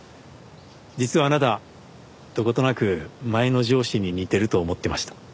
実はあなたどことなく前の上司に似てると思ってました。